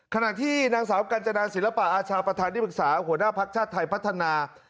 ขณะที่นางสาวกัญจนาศิลปะอาชาประธานที่ปรึกษาหัวหน้าภักดิ์ชาติไทยพัฒนา